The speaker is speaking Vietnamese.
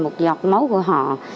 một giọt máu của họ